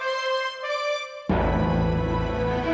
kamila akan memilih